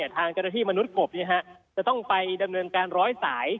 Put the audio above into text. ทางเจ้าหน้าที่มนุษย์กบจะต้องไปดำเนินการร้อยสาย